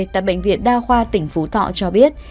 tại bệnh viện đa khoa tỉnh phú thọ cho biết